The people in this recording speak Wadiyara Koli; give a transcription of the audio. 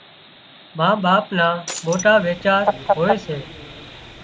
ما ٻاپ نا موٽا ويچار هوئي سي